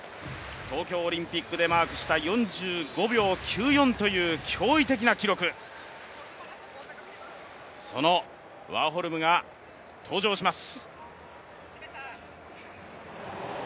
東京オリンピックでマークした４５秒９４という驚異的な記録、そのワーホルムが登場します。